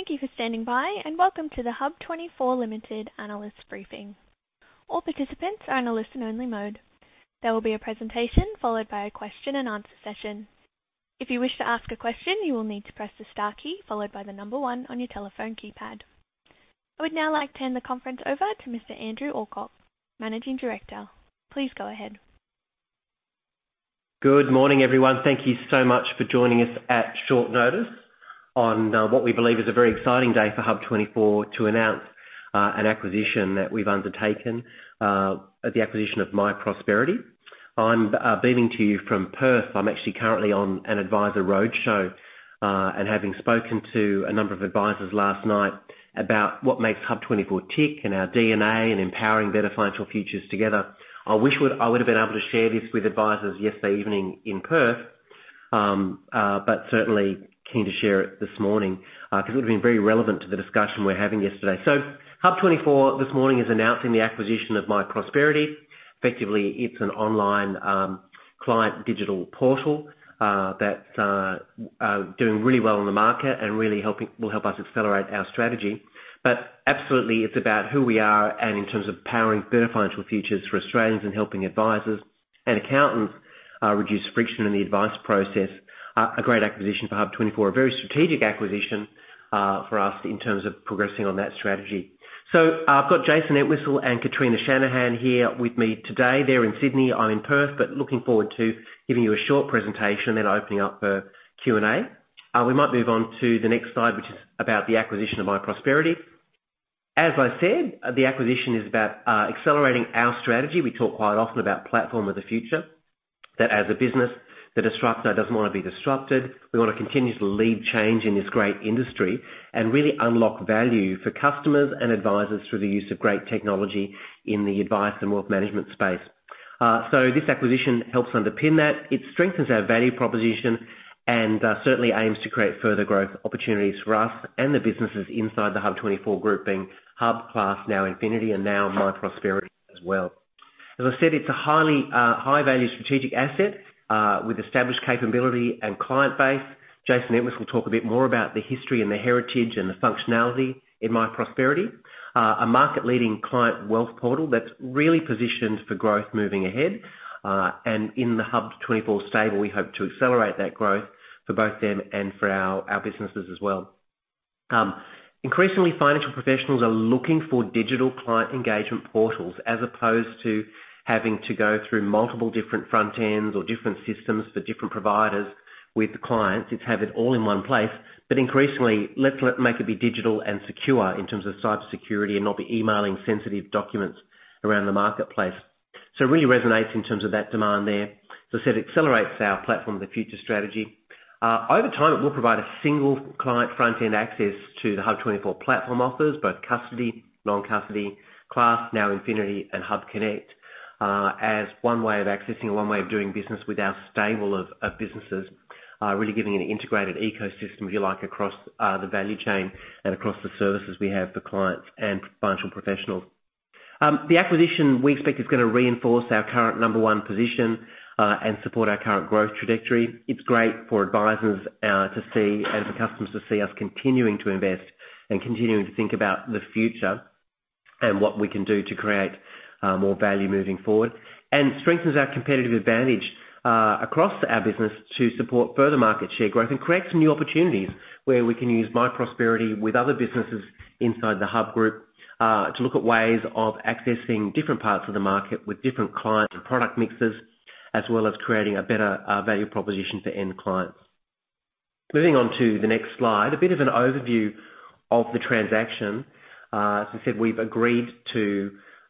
Thank you for standing by, welcome to the HUB24 Limited Analyst Briefing. All participants are in a listen-only mode. There will be a presentation followed by a question-and-answer session. If you wish to ask a question, you will need to press the star key followed by the number one on your telephone keypad. I would now like to hand the conference over to Mr. Andrew Alcock, Managing Director. Please go ahead. Good morning, everyone. Thank you so much for joining us at short notice on what we believe is a very exciting day for HUB24 to announce an acquisition that we've undertaken, the acquisition of myprosperity. I'm beaming to you from Perth. I'm actually currently on an advisor roadshow and having spoken to a number of advisors last night about what makes HUB24 tick and our DNA and empowering better financial futures together. I would've been able to share this with advisors yesterday evening in Perth, but certainly keen to share it this morning because it would've been very relevant to the discussion we were having yesterday. HUB24 this morning is announcing the acquisition of myprosperity. Effectively, it's an online client digital portal that's doing really well in the market and will help us accelerate our strategy. Absolutely, it's about who we are and in terms of powering better financial futures for Australians and helping advisors and accountants reduce friction in the advice process. A great acquisition for HUB24, a very strategic acquisition for us in terms of progressing on that strategy. I've got Jason Entwistle and Kitrina Shanahan here with me today. They're in Sydney, I'm in Perth, looking forward to giving you a short presentation then opening up for Q&A. We might move on to the next slide, which is about the acquisition of myprosperity. As I said, the acquisition is about accelerating our strategy. We talk quite often about platform of the future. That as a business, the disruptor doesn't wanna be disrupted. We wanna continue to lead change in this great industry and really unlock value for customers and advisors through the use of great technology in the advice and wealth management space. This acquisition helps underpin that. It strengthens our value proposition and certainly aims to create further growth opportunities for us and the businesses inside the HUB24 Group, being HUB, Class, now NowInfinity, and now myprosperity as well. As I said, it's a highly high-value strategic asset with established capability and client base. Jason Entwistle will talk a bit more about the history and the heritage and the functionality in myprosperity. A market-leading client wealth portal that's really positioned for growth moving ahead. In the HUB24 stable, we hope to accelerate that growth for both them and for our businesses as well. Increasingly, financial professionals are looking for digital client engagement portals as opposed to having to go through multiple different front ends or different systems for different providers with the clients. It's have it all in one place, but increasingly, let's let make it be digital and secure in terms of cybersecurity and not be emailing sensitive documents around the marketplace. It really resonates in terms of that demand there. As I said, it accelerates our Platform for the Future strategy. Over time, it will provide a single client front-end access to the HUB24 Platform offers, both Custody, Non-custody, Class, NowInfinity and HUBconnect, as one way of accessing, one way of doing business with our stable of businesses, really giving an integrated ecosystem, if you like, across the value chain and across the services we have for clients and financial professionals. The acquisition we expect is gonna reinforce our current number one position, and support our current growth trajectory. It's great for advisors, to see and for customers to see us continuing to invest and continuing to think about the future and what we can do to create, more value moving forward. Strengthens our competitive advantage across our business to support further market share growth and create some new opportunities where we can use myprosperity with other businesses inside the HUB Group to look at ways of accessing different parts of the market with different client and product mixes, as well as creating a better value proposition for end clients. Moving on to the next slide, a bit of an overview of the transaction. As I said, we've agreed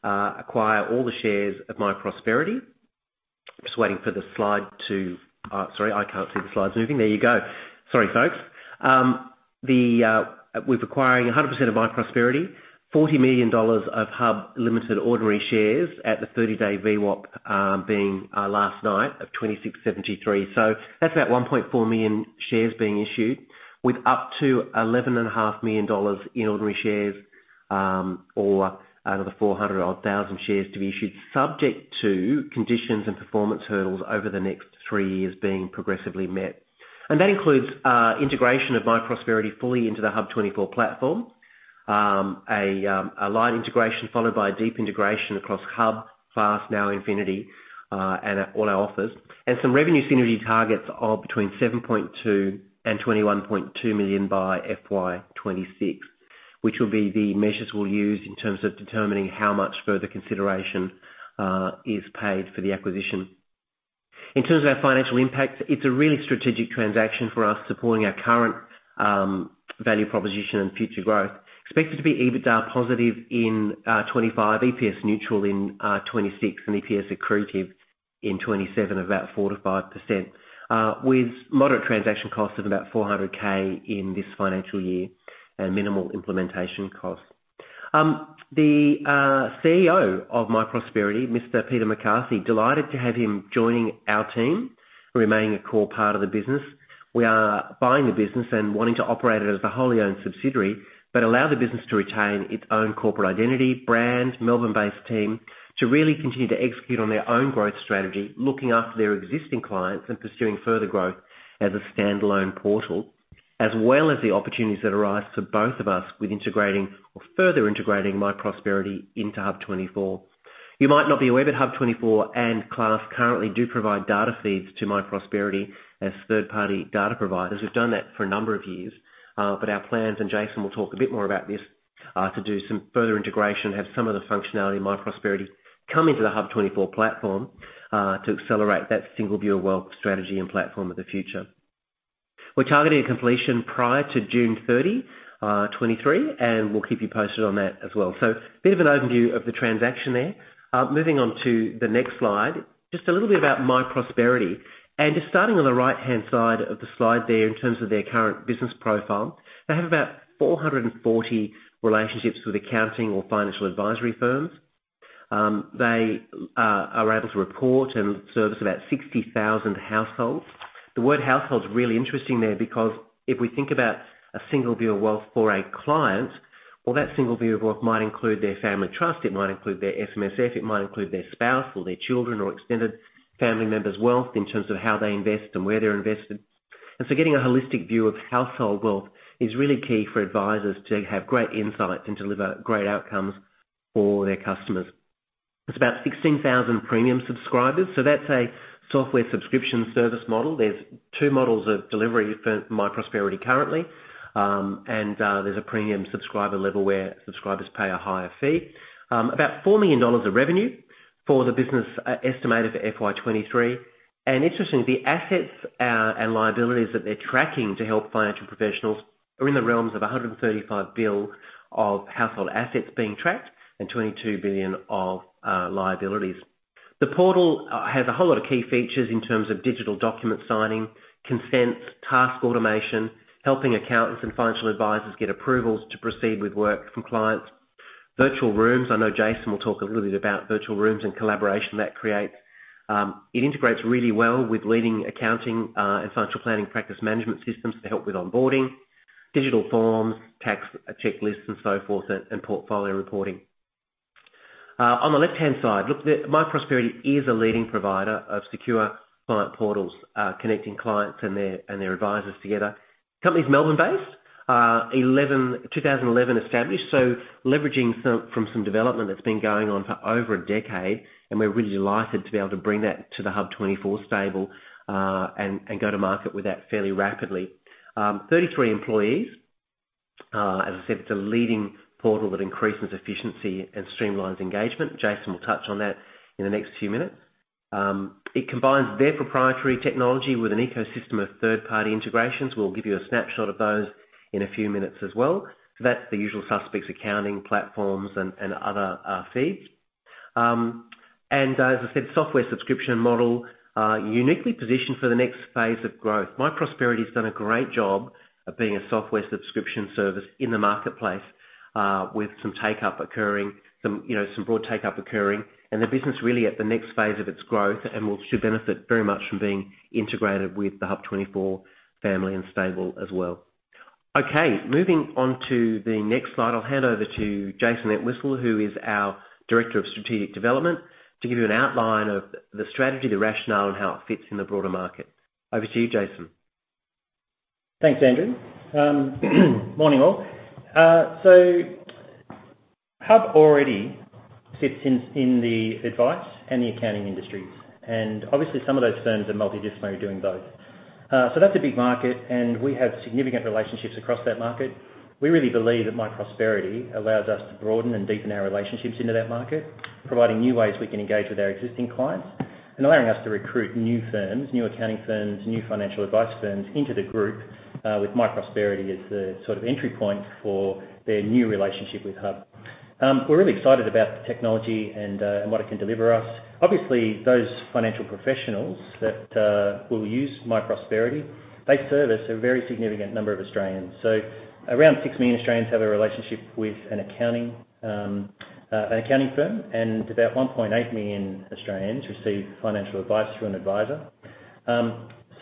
to acquire all the shares of myprosperity. Just waiting for the slide to. Sorry, I can't see the slides moving. There you go. Sorry, folks. The we're acquiring 100% of myprosperity, 40 million dollars of HUB24 Limited ordinary shares at the 30-day VWAP, being last night of 26.73. That's about 1.4 million shares being issued with up to 11.5 million dollars in ordinary shares, or another 400,000 odd shares to be issued subject to conditions and performance hurdles over the next three years being progressively met. That includes integration of myprosperity fully into the HUB24 platform. A light integration followed by a deep integration across HUB, Class, NowInfinity, and all our offers. Some revenue synergy targets of between 7.2 million-21.2 million by FY 2026, which will be the measures we'll use in terms of determining how much further consideration is paid for the acquisition. In terms of our financial impact, it's a really strategic transaction for us, supporting our current value proposition and future growth. Expected to be EBITDA positive in 2025, EPS neutral in 2026, and EPS accretive in 2027 of about 4%-5%, with moderate transaction costs of about 400,000 in this financial year and minimal implementation costs. The CEO of myprosperity, Mr. Peter McCarthy, delighted to have him joining our team, remaining a core part of the business. We are buying the business and wanting to operate it as a wholly owned subsidiary, but allow the business to retain its own corporate identity, brand, Melbourne-based team to really continue to execute on their own growth strategy, looking after their existing clients and pursuing further growth as a standalone portal. As well as the opportunities that arise for both of us with integrating or further integrating myprosperity into HUB24. You might not be aware that HUB24 and Class currently do provide data feeds to myprosperity as third-party data providers. We've done that for a number of years, but our plans, and Jason will talk a bit more about this, are to do some further integration, have some of the functionality in myprosperity come into the HUB24 Platform, to accelerate that single view of wealth strategy and Platform of the Future. We're targeting completion prior to June 30, 2023, and we'll keep you posted on that as well. A bit of an overview of the transaction there. Moving on to the next slide, just a little bit about myprosperity. Just starting on the right-hand side of the slide there in terms of their current business profile. They have about 440 relationships with accounting or financial advisory firms. They are able to report and service about 60,000 households. The word household is really interesting there because if we think about a single view of wealth for a client, well, that single view of wealth might include their family trust, it might include their SMSF, it might include their spouse or their children or extended family members' wealth in terms of how they invest and where they're invested. Getting a holistic view of household wealth is really key for advisors to have great insight and deliver great outcomes for their customers. It's about 16,000 premium subscribers, so that's a software subscription service model. There's two models of delivery for myprosperity currently, there's a premium subscriber level where subscribers pay a higher fee. About 4 million dollars of revenue for the business estimated for FY 2023. Interestingly, the assets and liabilities that they're tracking to help financial professionals are in the realms of 135 billion of household assets being tracked and 22 billion of liabilities. The portal has a whole lot of key features in terms of digital document signing, consents, task automation, helping accountants and financial advisors get approvals to proceed with work from clients. Virtual rooms. I know Jason will talk a little bit about virtual rooms and collaboration that creates. It integrates really well with leading accounting and financial planning practice management systems to help with onboarding, digital forms, tax checklists and so forth, and portfolio reporting. On the left-hand side, look, the myprosperity is a leading provider of secure client portals, connecting clients and their advisors together. Company's Melbourne-based, 11- 2011 established, leveraging some development that's been going on for over a decade, and we're really delighted to be able to bring that to the HUB24 stable and go to market with that fairly rapidly. 33 employees. As I said, it's a leading portal that increases efficiency and streamlines engagement. Jason will touch on that in the next few minutes. It combines their proprietary technology with an ecosystem of third-party integrations. We'll give you a snapshot of those in a few minutes as well. That's the usual suspects, accounting platforms and other feeds. As I said, software subscription model, uniquely positioned for the next phase of growth. myprosperity's done a great job of being a software subscription service in the marketplace, with some take-up occurring, some, you know, some broad take-up occurring, and the business really at the next phase of its growth and should benefit very much from being integrated with the HUB24 family and stable as well. Moving on to the next slide. I'll hand over to Jason Entwistle, who is our Director of Strategic Development, to give you an outline of the strategy, the rationale, and how it fits in the broader market. Over to you, Jason. Thanks, Andrew. Morning, all. HUB already sits in the advice and the accounting industries. Obviously, some of those firms are multidisciplinary doing both. That's a big market, and we have significant relationships across that market. We really believe that myprosperity allows us to broaden and deepen our relationships into that market, providing new ways we can engage with our existing clients and allowing us to recruit new firms, new accounting firms, new financial advice firms into the group, with myprosperity as the sort of entry point for their new relationship with HUB. We're really excited about the technology and what it can deliver us. Obviously, those financial professionals that will use myprosperity, they service a very significant number of Australians. Around six million Australians have a relationship with an accounting, an accounting firm, and about 1.8 million Australians receive financial advice through an advisor.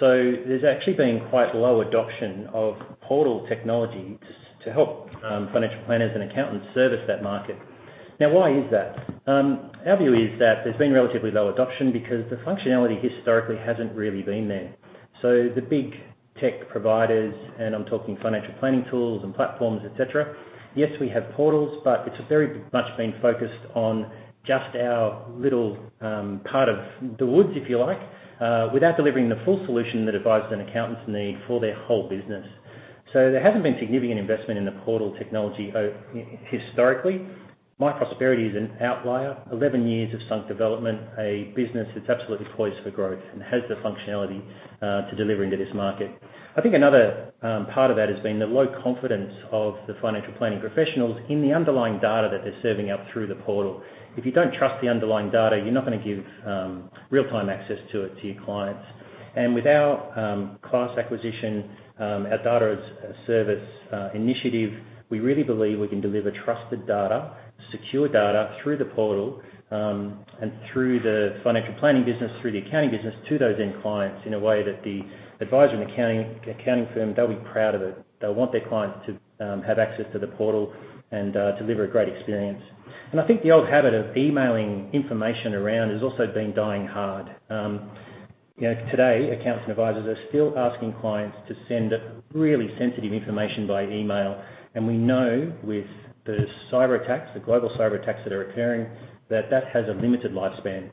There's actually been quite low adoption of portal technology to help financial planners and accountants service that market. Now, why is that? Our view is that there's been relatively low adoption because the functionality historically hasn't really been there. The big tech providers, and I'm talking financial planning tools and platforms, et cetera, yes, we have portals, but it's very much been focused on just our little part of the woods, if you like, without delivering the full solution that advisors and accountants need for their whole business. There hasn't been significant investment in the portal technology historically. myprosperity is an outlier. 11 years of sunk development, a business that's absolutely poised for growth and has the functionality to deliver into this market. I think another part of that has been the low confidence of the financial planning professionals in the underlying data that they're serving up through the portal. If you don't trust the underlying data, you're not gonna give real-time access to it to your clients. With our Class acquisition, our Data as a Service initiative, we really believe we can deliver trusted data, secure data through the portal, and through the financial planning business, through the accounting business, to those end clients in a way that the advisor and accounting firm, they'll be proud of it. They'll want their clients to have access to the portal and deliver a great experience. I think the old habit of emailing information around has also been dying hard. You know, today, accounts and advisors are still asking clients to send really sensitive information by email. We know with the cyberattacks, the global cyberattacks that are occurring, that that has a limited lifespan.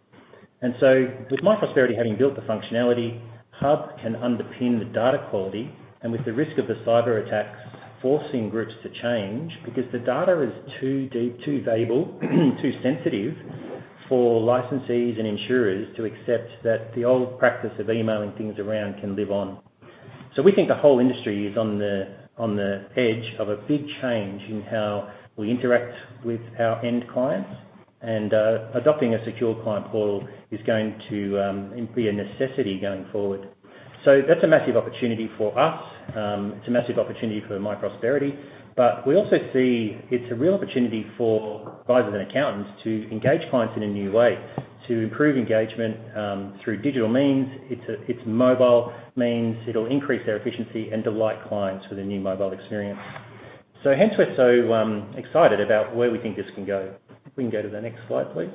With myprosperity having built the functionality, HUB can underpin the data quality and with the risk of the cyberattacks forcing groups to change because the data is too valuable, too sensitive for licensees and insurers to accept that the old practice of emailing things around can live on. We think the whole industry is on the, on the edge of a big change in how we interact with our end clients. Adopting a secure client portal is going to be a necessity going forward. That's a massive opportunity for us. It's a massive opportunity for myprosperity. We also see it's a real opportunity for advisors and accountants to engage clients in a new way to improve engagement through digital means. It's mobile means it'll increase their efficiency and delight clients with a new mobile experience. Hence we're so excited about where we think this can go. If we can go to the next slide, please.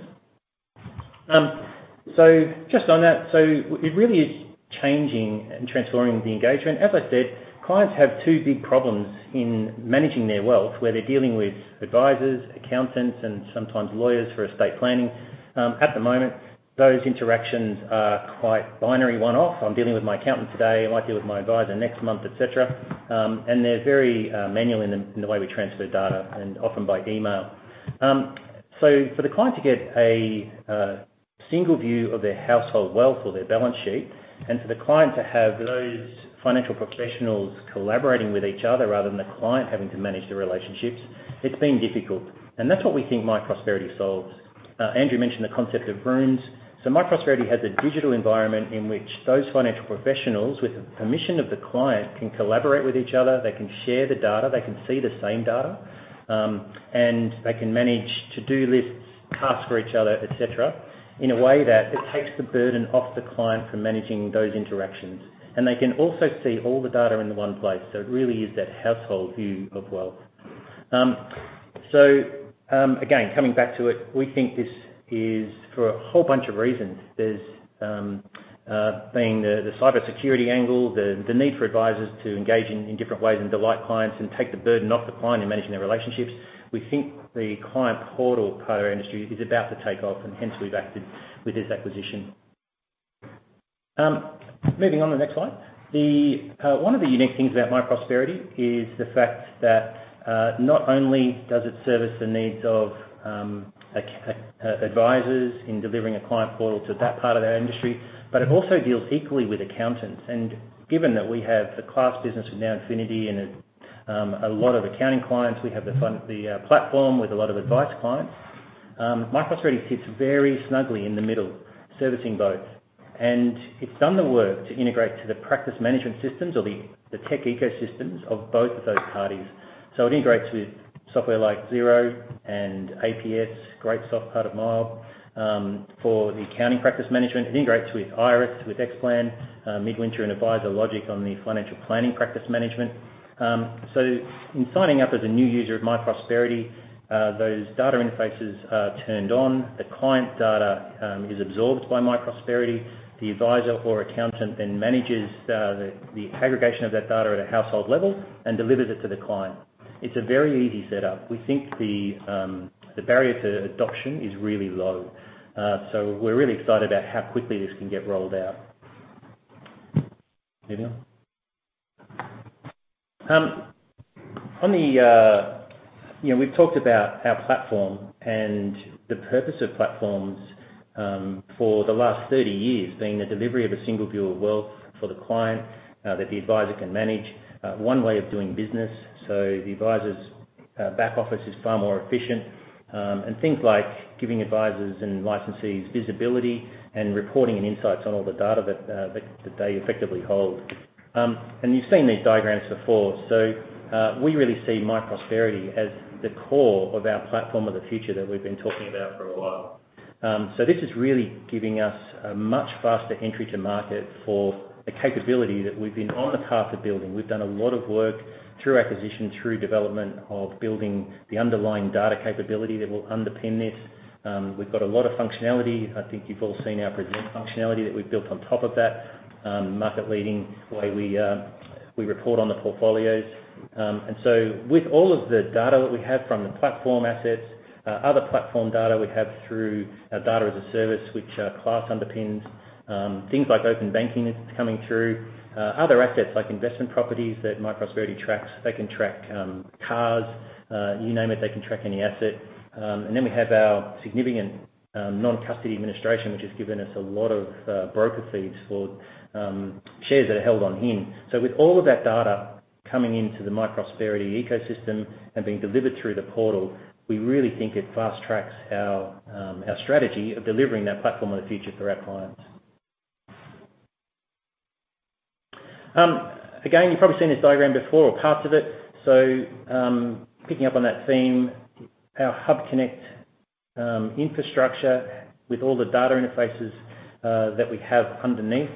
Just on that, it really is changing and transforming the engagement. As I said, clients have two big problems in managing their wealth, where they're dealing with advisors, accountants, and sometimes lawyers for estate planning. At the moment, those interactions are quite binary, one-off. I'm dealing with my accountant today, I might deal with my advisor next month, et cetera. They're very manual in the way we transfer data, and often by email. For the client to get a single view of their household wealth or their balance sheet, and for the client to have those financial professionals collaborating with each other rather than the client having to manage the relationships, it's been difficult. That's what we think myprosperity solves. Andrew mentioned the concept of rooms. myprosperity has a digital environment in which those financial professionals, with the permission of the client, can collaborate with each other, they can share the data, they can see the same data, and they can manage to-do lists, tasks for each other, et cetera, in a way that it takes the burden off the client for managing those interactions. They can also see all the data in the one place. It really is that household view of wealth. Again, coming back to it, we think this is for a whole bunch of reasons. There's the cybersecurity angle, the need for advisors to engage in different ways and delight clients and take the burden off the client in managing their relationships. We think the client portal per our industry is about to take off and hence we've acted with this acquisition. Moving on, the next slide. One of the unique things about myprosperity is the fact that not only does it service the needs of advisors in delivering a client portal to that part of their industry, but it also deals equally with accountants. Given that we have the Class business and NowInfinity and a lot of accounting clients, we have the platform with a lot of advice clients, myprosperity sits very snugly in the middle, servicing both. It's done the work to integrate to the practice management systems or the tech ecosystems of both of those parties. It integrates with software like Xero and APS, GreatSoft part of MYOB, for the accounting practice management. It integrates with Iress, with Xplan, Midwinter, and AdviserLogic on the financial planning practice management. In signing up as a new user of myprosperity, those data interfaces are turned on. The client data is absorbed by myprosperity. The advisor or accountant then manages the aggregation of that data at a household level and delivers it to the client. It's a very easy setup. We think the barrier to adoption is really low. We're really excited about how quickly this can get rolled out. Moving on. On the, you know, we've talked about our platform and the purpose of platforms for the last 30 years being the delivery of a single view of wealth for the client that the advisor can manage, one way of doing business, so the advisor's back office is far more efficient, and things like giving advisors and licensees visibility and reporting and insights on all the data that they effectively hold. And you've seen these diagrams before. We really see myprosperity as the core of our platform of the future that we've been talking about for a while. This is really giving us a much faster entry to market for the capability that we've been on the path of building. We've done a lot of work through acquisition, through development of building the underlying data capability that will underpin this. We've got a lot of functionality. I think you've all seen our present functionality that we've built on top of that, market-leading way we report on the portfolios. With all of the data that we have from the platform assets, other platform data we have through our Data as a Service, which Class underpins, things like open banking that's coming through, other assets like investment properties that myprosperity tracks. They can track cars, you name it, they can track any asset. Then we have our significant non-custody administration, which has given us a lot of broker feeds for shares that are held on HIN. With all of that data coming into the myprosperity ecosystem and being delivered through the portal, we really think it fast tracks our strategy of delivering that platform of the future for our clients. Again, you've probably seen this diagram before or parts of it. Picking up on that theme, our HUBconnect infrastructure with all the data interfaces that we have underneath.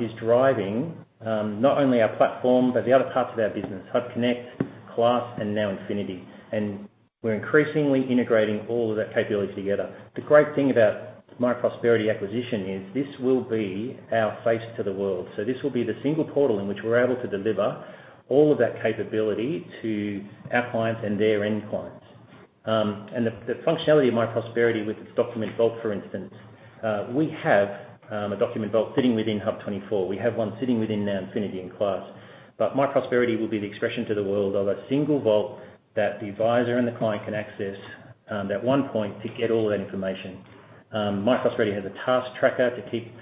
Is driving not only our platform but the other parts of our business, HUBconnect, Class and NowInfinity. We're increasingly integrating all of that capability together. The great thing about myprosperity acquisition is this will be our face to the world. This will be the single portal in which we're able to deliver all of that capability to our clients and their end clients. The functionality of myprosperity with its document vault, for instance, we have a document vault sitting within HUB24. We have one sitting within NowInfinity and Class. myprosperity will be the expression to the world of a single vault that the advisor and the client can access at one point to get all of that information. myprosperity has a task tracker to keep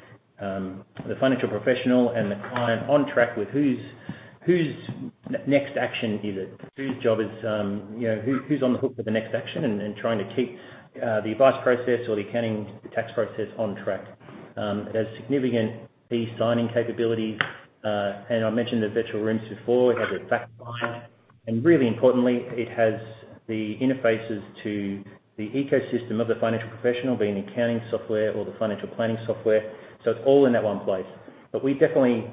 the financial professional and the client on track with whose next action is it, whose job is, you know, who's on the hook for the next action and trying to keep the advice process or the accounting tax process on track. It has significant e-signing capabilities. I mentioned the virtual rooms before. It has a fact find, and really importantly, it has the interfaces to the ecosystem of the financial professional, being accounting software or the financial planning software. It's all in that one place. We definitely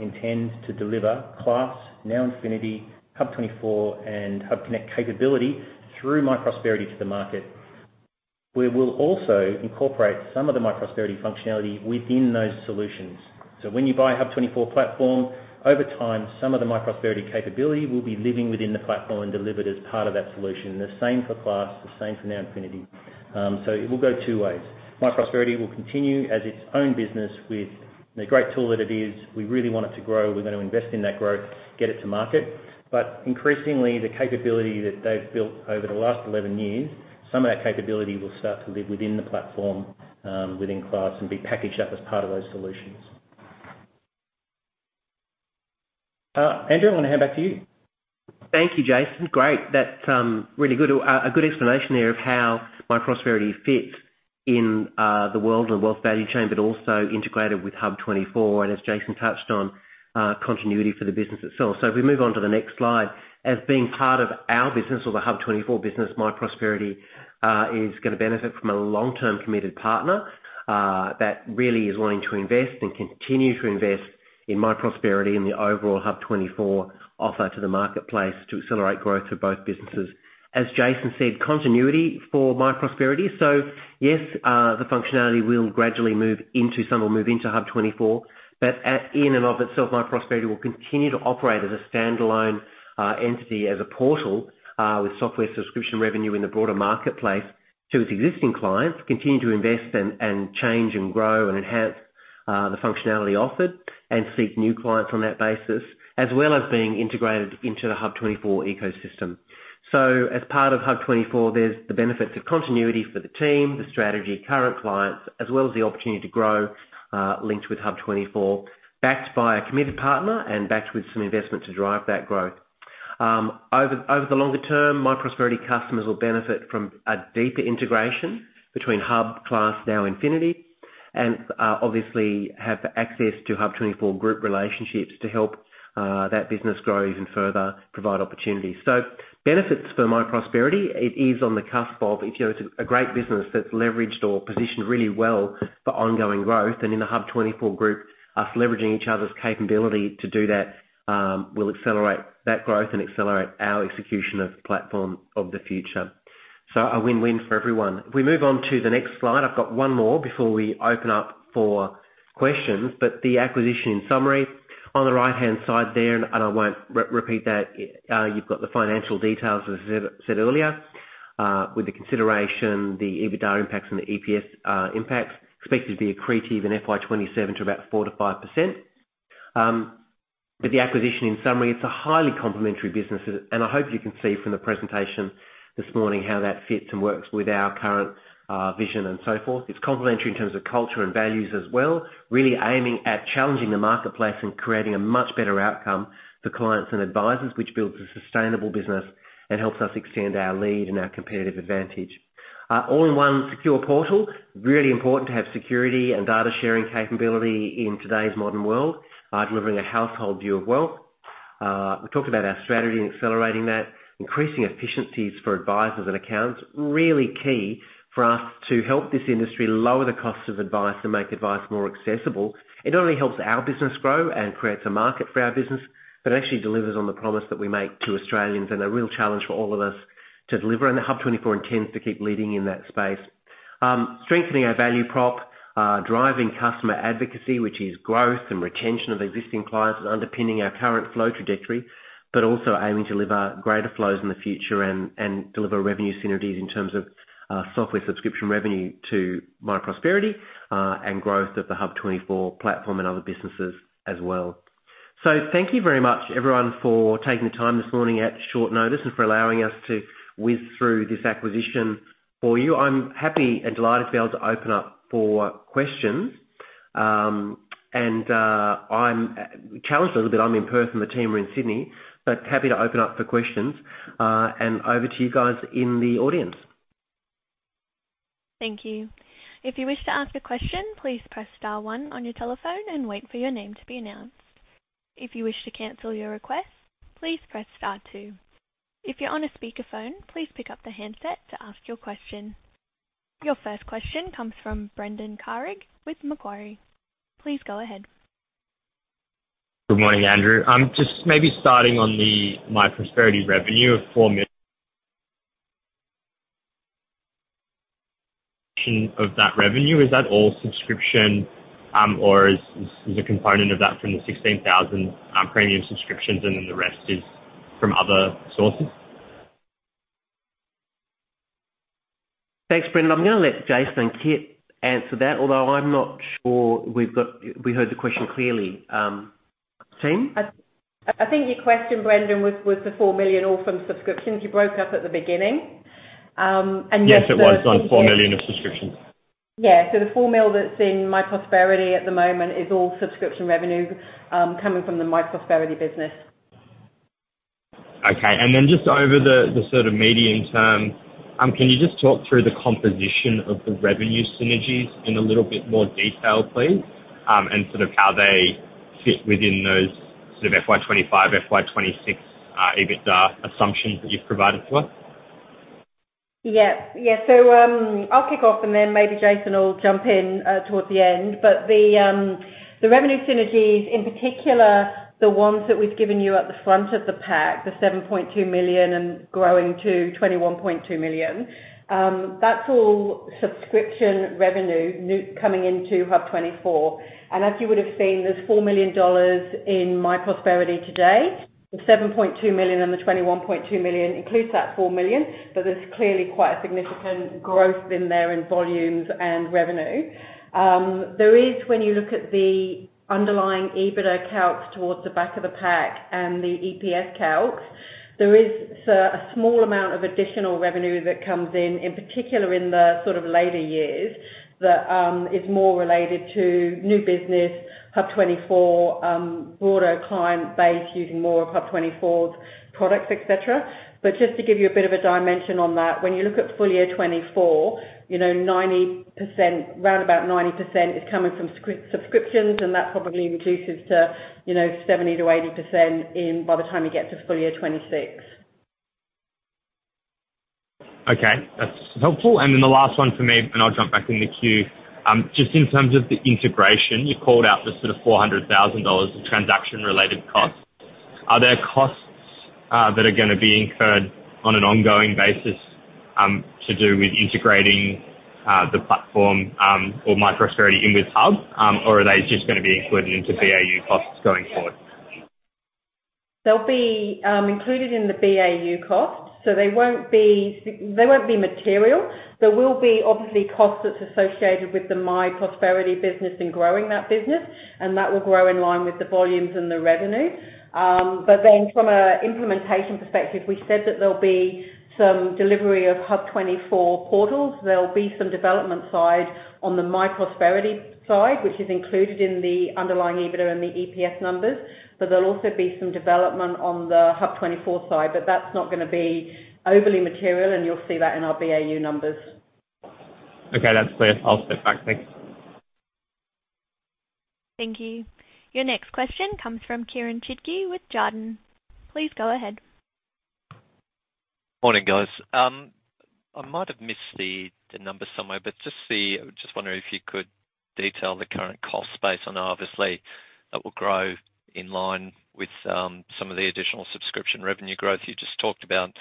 intend to deliver Class, NowInfinity, HUB24 and HUBconnect capability through myprosperity to the market. We will also incorporate some of the myprosperity functionality within those solutions. When you buy HUB24 Platform, over time, some of the myprosperity capability will be living within the platform and delivered as part of that solution. The same for Class, the same for NowInfinity. It will go two ways. myprosperity will continue as its own business with the great tool that it is. We really want it to grow. We're gonna invest in that growth, get it to market. Increasingly, the capability that they've built over the last 11 years, some of that capability will start to live within the platform, within Class and be packaged up as part of those solutions. Andrew, I wanna hand back to you. Thank you, Jason. Great. That's really good. A good explanation there of how myprosperity fits in the world of wealth value chain, but also integrated with HUB24, and as Jason touched on, continuity for the business itself. If we move on to the next slide, as being part of our business or the HUB24 business, myprosperity is gonna benefit from a long-term committed partner that really is willing to invest and continue to invest in myprosperity and the overall HUB24 offer to the marketplace to accelerate growth for both businesses. As Jason said, continuity for myprosperity. Yes, the functionality will gradually move into- Some will move into HUB24, but at, in and of itself, myprosperity will continue to operate as a standalone entity, as a portal, with software subscription revenue in the broader marketplace to its existing clients, continue to invest and change and grow and enhance the functionality offered and seek new clients on that basis, as well as being integrated into the HUB24 ecosystem. As part of HUB24, there's the benefits of continuity for the team, the strategy, current clients, as well as the opportunity to grow linked with HUB24, backed by a committed partner and backed with some investment to drive that growth. Over the longer term, myprosperity customers will benefit from a deeper integration between HUB, Class, NowInfinity and obviously have access to HUB24 Group relationships to help that business grow even further, provide opportunities. Benefits for myprosperity, it is on the cusp of, if you know, it's a great business that's leveraged or positioned really well for ongoing growth and in the HUB24 Group, us leveraging each other's capability to do that, will accelerate that growth and accelerate our execution of platform of the future. A win-win for everyone. If we move on to the next slide. I've got one more before we open up for questions. The acquisition in summary on the right-hand side there, and I won't repeat that. You've got the financial details, as I said earlier, with the consideration, the EBITDA impacts and the EPS impacts expected to be accretive in FY 2027 to about 4%-5%. The acquisition in summary, it's a highly complementary business. I hope you can see from the presentation this morning how that fits and works with our current vision and so forth. It's complementary in terms of culture and values as well, really aiming at challenging the marketplace and creating a much better outcome for clients and advisors, which builds a sustainable business and helps us extend our lead and our competitive advantage. All-in-one secure portal. Really important to have security and data sharing capability in today's modern world, delivering a household view of wealth. We talked about our strategy and accelerating that. Increasing efficiencies for advisors and accounts, really key for us to help this industry lower the cost of advice and make advice more accessible. It not only helps our business grow and creates a market for our business, but it actually delivers on the promise that we make to Australians and a real challenge for all of us to deliver. HUB24 intends to keep leading in that space. strengthening our value prop, driving customer advocacy, which is growth and retention of existing clients that underpinning our current flow trajectory, but also aiming to deliver greater flows in the future and deliver revenue synergies in terms of software subscription revenue to myprosperity, and growth of the HUB24 Platform and other businesses as well. Thank you very much everyone for taking the time this morning at short notice and for allowing us to whiz through this acquisition for you. I'm happy and delighted to be able to open up for questions. I'm challenged a little bit. I'm in person, the team are in Sydney, but happy to open up for questions. Over to you guys in the audience. Thank you. If you wish to ask a question, please press star one on your telephone and wait for your name to be announced. If you wish to cancel your request, please press star two. If you're on a speakerphone, please pick up the handset to ask your question. Your first question comes from Brendan Carrig with Macquarie. Please go ahead. Good morning, Andrew. I'm just maybe starting on the myprosperity revenue of 4 million of that revenue. Is that all subscription, or is a component of that from the 16,000 premium subscriptions, and then the rest is from other sources? Thanks, Brendan. I'm gonna let Jason and Kit answer that, although I'm not sure we heard the question clearly, team. I think your question, Brendan, was the 4 million all from subscriptions. You broke up at the beginning. Yes. Yes, it was on 4 million of subscriptions. Yeah. The 4 million that's in myprosperity at the moment is all subscription revenue, coming from the myprosperity business. Okay. Then just over the sort of medium term, can you just talk through the composition of the revenue synergies in a little bit more detail please, and sort of how they fit within those sort of FY 2025, FY 2026 EBITDA assumptions that you've provided to us. Yeah. Yeah. I'll kick off and then maybe Jason will jump in towards the end. The revenue synergies, in particular, the ones that we've given you at the front of the pack, the 7.2 million and growing to 21.2 million, that's all subscription revenue coming into HUB24. As you would've seen, there's 4 million dollars in myprosperity today. The 7.2 million and the 21.2 million includes that 4 million, so there's clearly quite a significant growth in there in volumes and revenue. There is, when you look at the underlying EBITDA calc towards the back of the pack and the EPS calcs, there is a small amount of additional revenue that comes in particular in the sort of later years that is more related to new business, HUB24, broader client base using more of HUB24's products, et cetera. Just to give you a bit of a dimension on that, when you look at full year 2024, you know, 90% round about 90% is coming from subscriptions, and that probably reduces to, you know, 70%-80% in by the time you get to full year 2026. Okay. That's helpful. Then the last one for me, and I'll jump back in the queue. Just in terms of the integration, you called out the sort of 400,000 dollars of transaction related costs. Are there costs that are gonna be incurred on an ongoing basis to do with integrating the platform or myprosperity in with HUB? Or are they just gonna be included into BAU costs going forward? They'll be included in the BAU costs. They won't be material. There will be obviously costs that's associated with the myprosperity business and growing that business, and that will grow in line with the volumes and the revenue. From a implementation perspective, we said that there'll be some delivery of HUB24 portals. There'll be some development side on the myprosperity side, which is included in the underlying EBITDA and the EPS numbers, there'll also be some development on the HUB24 side. That's not gonna be overly material, and you'll see that in our BAU numbers. Okay, that's clear. I'll step back. Thanks. Thank you. Your next question comes from Kieren Chidgey with Jarden. Please go ahead. Morning, guys. I might have missed the numbers somewhere, but just wondering if you could detail the current cost base. I know obviously that will grow in line with some of the additional subscription revenue growth you just talked about.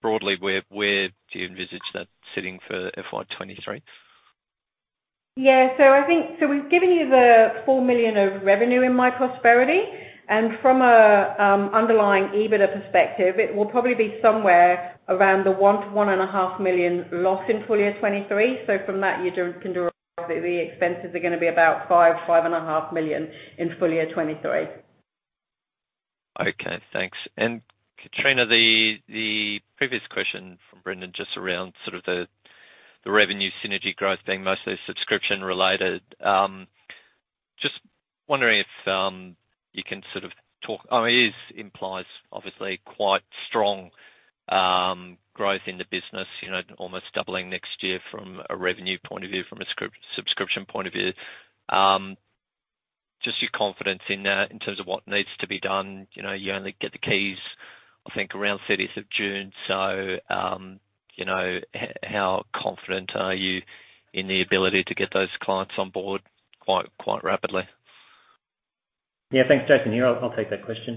Broadly, where do you envisage that sitting for FY 2023? Yeah. We've given you the 4 million of revenue in myprosperity, from a, underlying EBITDA perspective, it will probably be somewhere around the 1 million-1.5 million loss in full year 2023. From that, you can derive that the expenses are going to be about 5 million-5.5 million in full year 2023. Okay, thanks. Kitrina, the previous question from Brendan just around sort of the revenue synergy growth being mostly subscription related. Just wondering if you can sort of talk, I mean, it is implies obviously quite strong growth in the business, you know, almost doubling next year from a revenue point of view, from a subscription point of view. Just your confidence in terms of what needs to be done. You know, you only get the keys, I think, around 30th of June. You know, how confident are you in the ability to get those clients on board quite rapidly? Yeah. Thanks. Jason here. I'll take that question.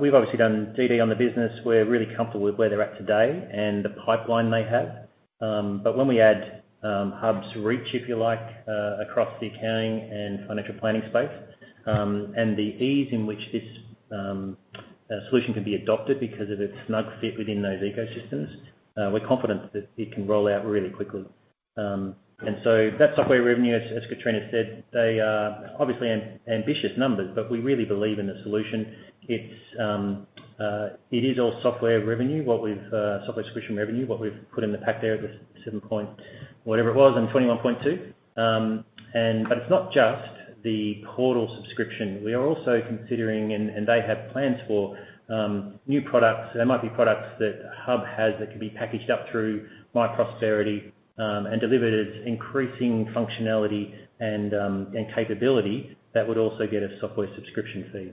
We've obviously done DD on the business. We're really comfortable with where they're at today and the pipeline they have. When we add HUB's reach, if you like, across the accounting and financial planning space, and the ease in which this solution can be adopted because of its snug fit within those ecosystems, we're confident that it can roll out really quickly. That software revenue, as Kitrina said, they are obviously ambitious numbers, we really believe in the solution. It's all software revenue, what we've, software subscription revenue, what we've put in the pack there at the seven-point whatever it was and 21.2 million. It's not just the portal subscription. We are also considering, and they have plans for new products. There might be products that HUB has that can be packaged up through myprosperity and delivered as increasing functionality and capability that would also get a software subscription fee.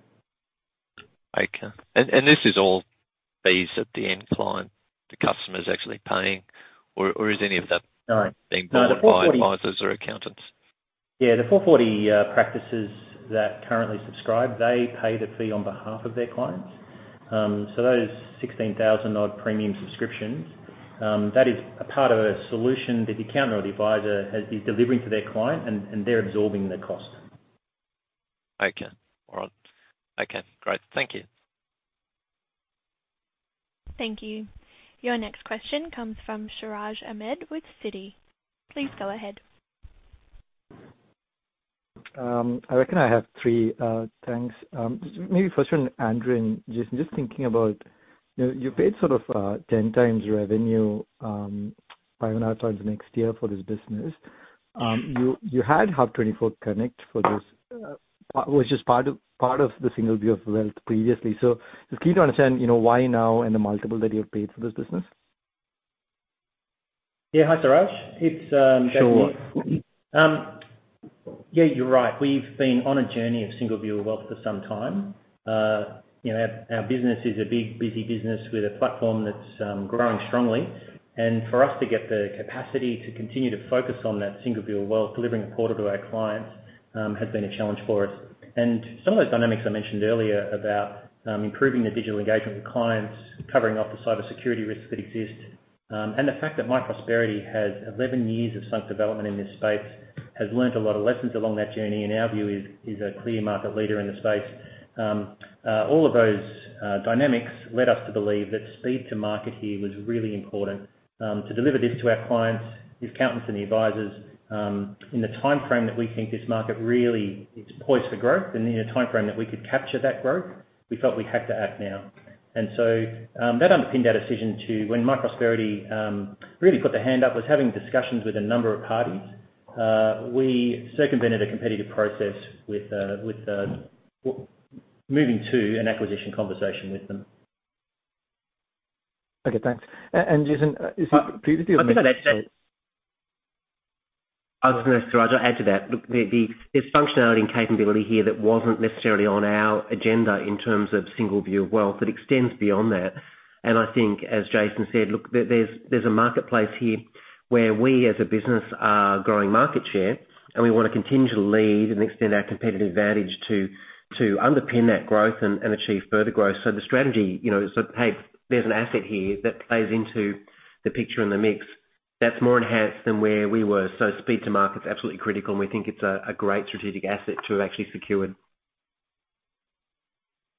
Okay. This is all fees that the end client, the customer is actually paying or is any of- No. No, the 440 is- being done by advisors or accountants? Yeah, the 440 practices that currently subscribe, they pay the fee on behalf of their clients. Those 16,000 odd premium subscriptions, that is a part of a solution that the accountant or the advisor is delivering to their client and they're absorbing the cost. Okay. All right. Okay, great. Thank you. Thank you. Your next question comes from Siraj Ahmed with Citi. Please go ahead. I reckon I have three things. Andrew and Jason, just thinking about, you know, you paid sort of 10x revenue, 5x next year for this business. You had HUB24 Connect for this, which is part of the single view of wealth previously. Just keen to understand, you know, why now and the multiple that you have paid for this business. Yeah. Hi, Siraj. It's back with me. Sure. Yeah, you're right. We've been on a journey of single view of wealth for some time. You know, our business is a big, busy business with a platform that's growing strongly. For us to get the capacity to continue to focus on that single view of wealth, delivering a portal to our clients, has been a challenge for us. Some of those dynamics I mentioned earlier about improving the digital engagement with clients, covering off the cybersecurity risks that exist, and the fact that myprosperity has 11 years of sunk development in this space, has learned a lot of lessons along that journey, in our view, is a clear market leader in the space. All of those dynamics led us to believe that speed to market here was really important to deliver this to our clients, the accountants and the advisers, in the timeframe that we think this market really is poised for growth and in a timeframe that we could capture that growth, we felt we had to act now. That underpinned our decision to when myprosperity really put their hand up, was having discussions with a number of parties. We circumvented a competitive process with moving to an acquisition conversation with them. Okay, thanks. Jason, is it- I- purely a- I was gonna add, Siraj, I'll add to that. Look, there's functionality and capability here that wasn't necessarily on our agenda in terms of single view of wealth that extends beyond that. I think as Jason said, look, there's a marketplace here where we as a business are growing market share, and we wanna continue to lead and extend our competitive advantage to underpin that growth and achieve further growth. The strategy, you know, so hey, there's an asset here that plays into the picture and the mix that's more enhanced than where we were. Speed to market is absolutely critical, and we think it's a great strategic asset to have actually secured.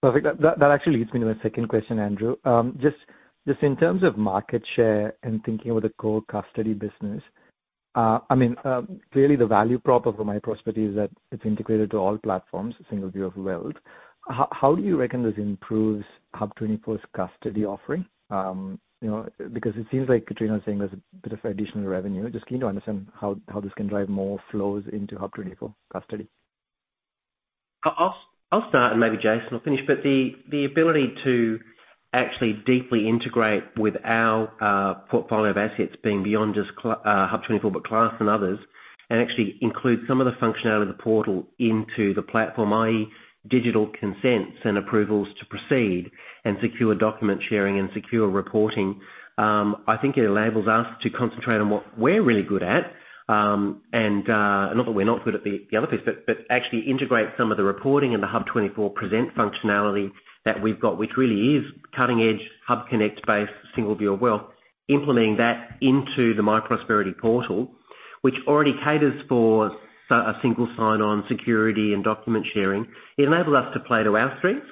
Perfect. That, that actually leads me to my second question, Andrew. Just, just in terms of market share and thinking about the core custody business, I mean, clearly the value prop of myprosperity is that it's integrated to all platforms, single view of wealth. How do you reckon this improves HUB24's custody offering? You know, because it seems like Kitrina was saying there's a bit of additional revenue. Just keen to understand how this can drive more flows into HUB24 Custody. I'll start. Maybe Jason will finish. The ability to actually deeply integrate with our portfolio of assets being beyond just HUB24, but Class and others, and actually include some of the functionality of the portal into the platform, i.e. digital consents and approvals to proceed and secure document sharing and secure reporting, I think it enables us to concentrate on what we're really good at. Not that we're not good at the other piece, but actually integrate some of the reporting and the HUB24 present functionality that we've got, which really is cutting-edge HUBconnect-based single view of wealth, implementing that into the myprosperity portal, which already caters for a single sign-on security and document sharing. It enables us to play to our strengths,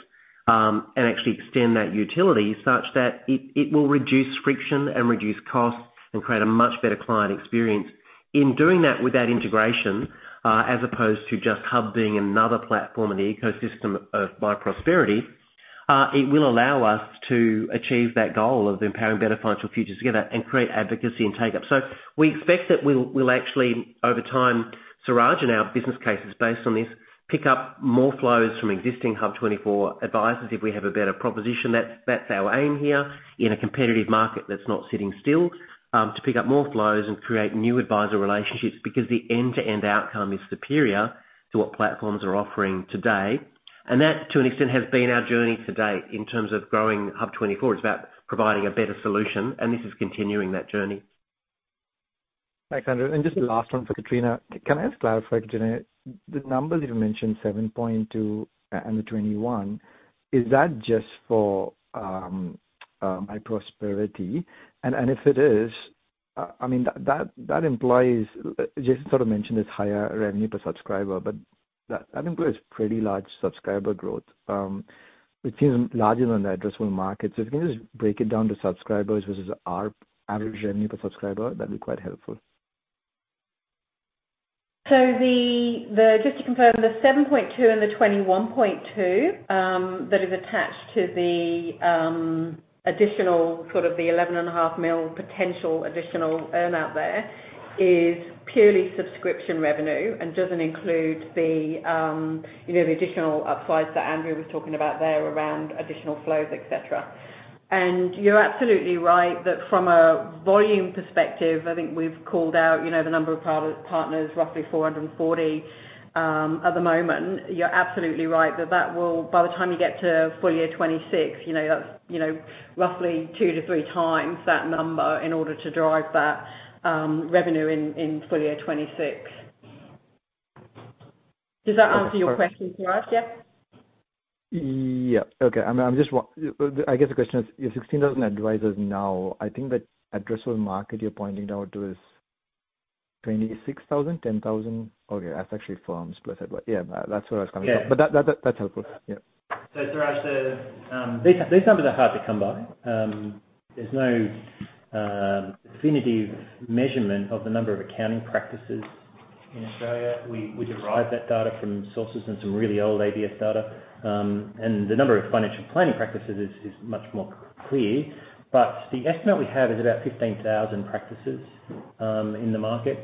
and actually extend that utility such that it will reduce friction and reduce costs and create a much better client experience. In doing that with that integration, as opposed to just HUB being another platform in the ecosystem of myprosperity, it will allow us to achieve that goal of empowering better financial futures together and create advocacy and take-up. We expect that we'll actually, over time, Siraj, and our business case is based on this, pick up more flows from existing HUB24 advisers if we have a better proposition. That's our aim here in a competitive market that's not sitting still, to pick up more flows and create new adviser relationships because the end-to-end outcome is superior to what platforms are offering today. That, to an extent, has been our journey to date in terms of growing HUB24. It's about providing a better solution, and this is continuing that journey. Thanks, Andrew. Just the last one for Kitrina. Can I just clarify, Kitrina? The numbers you mentioned, 7.2 million and the 21 million, is that just for myprosperity? If it is, I mean, Jason sort of mentioned it's higher revenue per subscriber, but that employs pretty large subscriber growth. It seems larger than the addressable market. If you can just break it down to subscribers versus our average revenue per subscriber, that'd be quite helpful. The just to confirm, the 7.2 million and the 21.2 million, that is attached to the additional sort of the 11.5 million potential additional earn-out there is purely subscription revenue and doesn't include the, you know, the additional upsides that Andrew was talking about there around additional flows, et cetera. You're absolutely right that from a volume perspective, I think we've called out, you know, the number of partners, roughly 440. At the moment, you're absolutely right that by the time you get to full year 2026, that's roughly 2x-3x that number in order to drive that revenue in full year 2026. Does that answer your question, Siraj? Yeah. Okay. I guess the question is, you're 16,000 advisors now. I think the addressable market you're pointing out to is 26,000, 10,000. Okay, that's actually firms plus advisors. Yeah, that's where I was coming from. Yeah. That's helpful. Yeah. Siraj, these numbers are hard to come by. There's no definitive measurement of the number of accounting practices in Australia. We derive that data from sources and some really old ABS data. The number of financial planning practices is much more clear. The estimate we have is about 15,000 practices in the market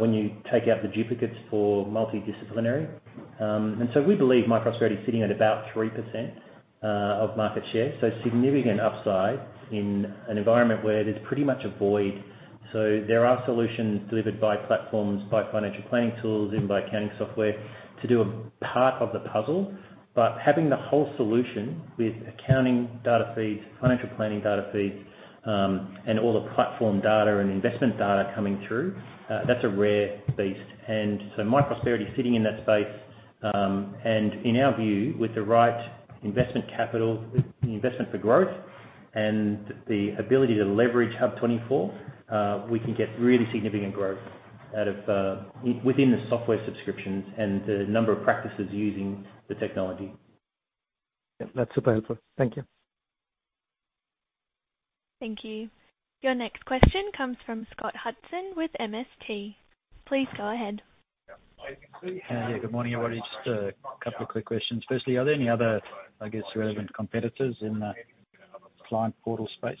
when you take out the duplicates for multidisciplinary. We believe myprosperity is sitting at about 3% of market share, so significant upside in an environment where there's pretty much a void. There are solutions delivered by platforms, by financial planning tools, even by accounting software to do a part of the puzzle. Having the whole solution with accounting data feeds, financial planning data feeds, and all the platform data and investment data coming through, that's a rare beast. myprosperity is sitting in that space. In our view, with the right investment capital, investment for growth, and the ability to leverage HUB24, we can get really significant growth out of within the software subscriptions and the number of practices using the technology. That's super helpful. Thank you. Thank you. Your next question comes from Scott Hudson with MST. Please go ahead. Yeah, good morning, everybody. Just two quick questions. Firstly, are there any other, I guess, relevant competitors in the client portal space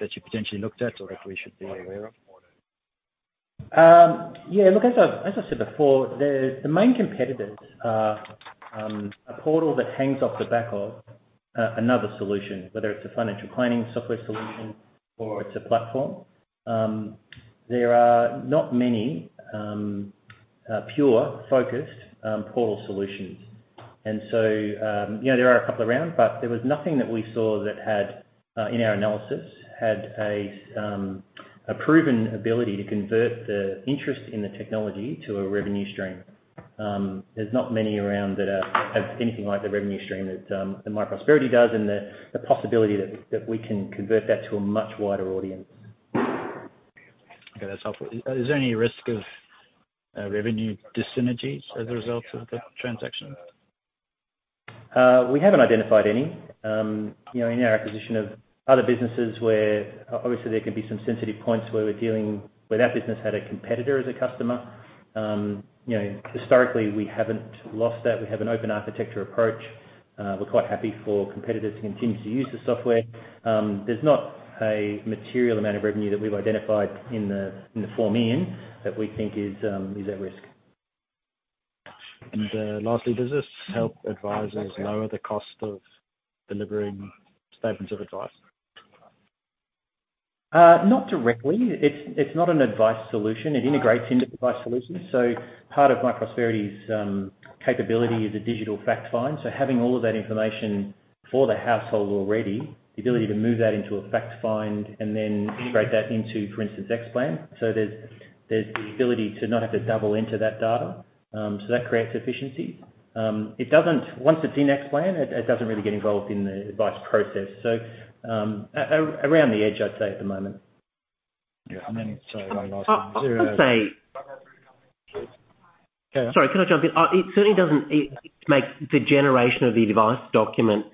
that you potentially looked at or that we should be aware of? Yeah, look, as I, as I said before, the main competitors are a portal that hangs off the back of another solution, whether it's a financial planning software solution or it's a platform. There are not many pure focused portal solutions. You know, there are a couple around, but there was nothing that we saw that had, in our analysis, had a proven ability to convert the interest in the technology to a revenue stream. There's not many around that have anything like the revenue stream that myprosperity does and the possibility that we can convert that to a much wider audience. Okay, that's helpful. Is there any risk of revenue dyssynergies as a result of the transaction? We haven't identified any. You know, in our acquisition of other businesses where obviously there can be some sensitive points where we're dealing where that business had a competitor as a customer. You know, historically, we haven't lost that. We have an open architecture approach. We're quite happy for competitors to continue to use the software. There's not a material amount of revenue that we've identified in the, in the form in that we think is at risk. Lastly, does this help advisors lower the cost of delivering statements of advice? Not directly. It's not an Advice Solutions. It integrates into Advice Solutions. Part of myprosperity's capability is a digital fact find. Having all of that information for the household already, the ability to move that into a fact find and then integrate that into, for instance, Xplan. There's the ability to not have to double into that data. That creates efficiency. Once it's in Xplan, it doesn't really get involved in the advice process. Around the edge, I'd say at the moment. Yeah. One last one. I could say. Go on. Sorry, can I jump in? It certainly doesn't make the generation of the advice document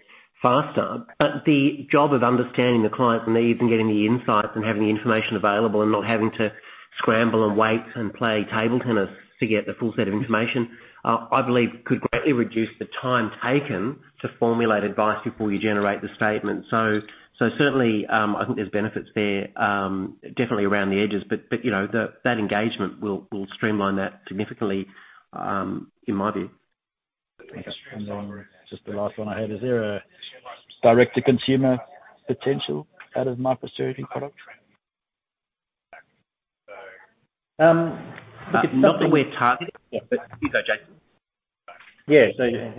faster, but the job of understanding the client's needs and getting the insights and having the information available and not having to scramble and wait and play table tennis to get the full set of information, I believe could greatly reduce the time taken to formulate advice before you generate the statement. Certainly, I think there's benefits there, definitely around the edges, but, you know, that engagement will streamline that significantly, in my view. Okay. Just the last one I had, is there a direct to consumer potential out of myprosperity product? It's not that we're targeting. Yeah. Please go, Jason. Yeah.